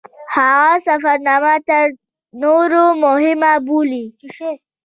هغه سفرنامه تر نورو مهمه بولي.